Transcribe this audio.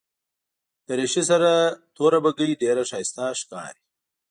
دریشي سره توره بګۍ ډېره ښایسته ښکاري.